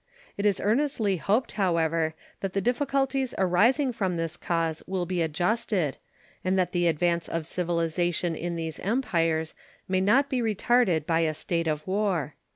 It is earnestly hoped, however, that the difficulties arising from this cause will be adjusted, and that the advance of civilization in these Empires may not be retarded by a state of war.